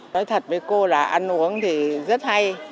nói thật với cô là ăn uống thì rất hay